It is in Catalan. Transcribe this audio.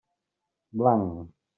Blanc.